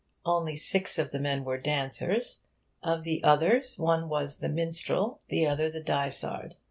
Only six of the men were dancers. Of the others, one was the 'minstrel,' the other the 'dysard.'